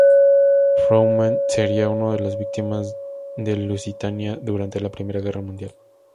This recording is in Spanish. Frohman sería una de las víctimas del Lusitania durante la Primera Guerra Mundial.